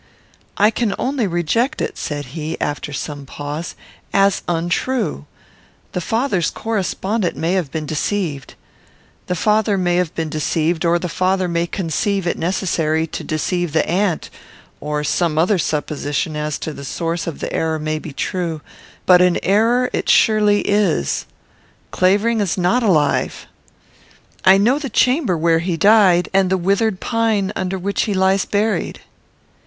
"I can only reject it," said he, after some pause, "as untrue. The father's correspondent may have been deceived. The father may have been deceived, or the father may conceive it necessary to deceive the aunt, or some other supposition as to the source of the error may be true; but an error it surely is. Clavering is not alive. I know the chamber where he died, and the withered pine under which he lies buried."